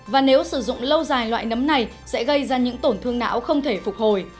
và nếu sử dụng lâu dài loại nấm này sẽ gây ra những tổn thương não không thể phục hồi